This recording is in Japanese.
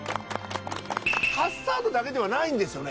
カスタードだけではないんですよね？